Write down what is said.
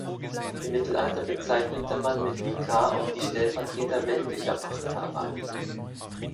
Im Mittelalter bezeichnete man mit Vikar auch die Stellvertreter weltlicher Machthaber.